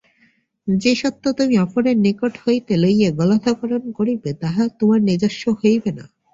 যে-সত্য তুমি অপরের নিকট হইতে লইয়া গলাধঃকরণ করিবে, তাহা তোমার নিজস্ব হইবে না।